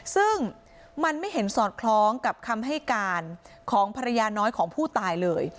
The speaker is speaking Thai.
ซึ่งมันไม่เห็นสอดคล้องกับคำให้การของภรรยาน้อยของผู้ตายเลย